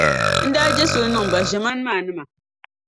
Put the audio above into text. n daa je suli niŋ bɛ ʒiɛmani maa nima.